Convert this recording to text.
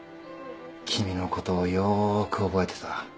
君のことをよーく覚えてた。